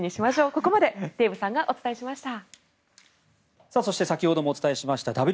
ここまでデーブさんがお伝えしました。